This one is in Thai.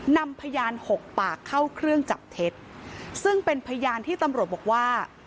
นำพยานหกปากเข้าเครื่องจับเท็จซึ่งเป็นพยานที่ตำรวจบอกว่า